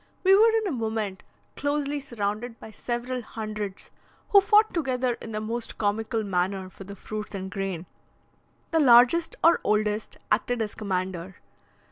We were in a moment closely surrounded by several hundreds, who fought together in the most comical manner for the fruits and grain. The largest or oldest acted as commander.